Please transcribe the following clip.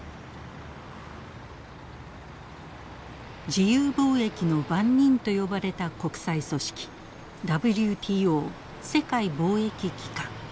自由貿易の番人と呼ばれた国際組織ＷＴＯ世界貿易機関。